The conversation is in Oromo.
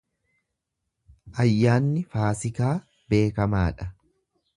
Ayyaanni Faasikaa beekamaadha.